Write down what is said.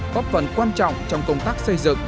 có phần quan trọng trong công tác xây dựng